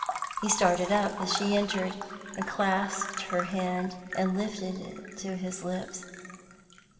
He started up as she entered, and clasped her hand, and lifted it to his lips.